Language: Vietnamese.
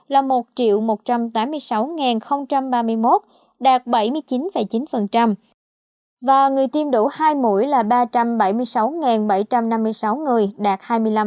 là một một trăm tám mươi sáu ba mươi một đạt bảy mươi chín chín và người tiêm đủ hai mũi là ba trăm bảy mươi sáu bảy trăm năm mươi sáu người đạt hai mươi năm